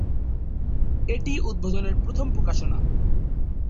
এটিই উদ্বোধনের প্রথম প্রকাশনা।